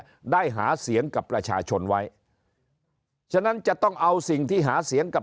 ได้หาเสียงกับประชาชนไว้ฉะนั้นจะต้องเอาสิ่งที่หาเสียงกับ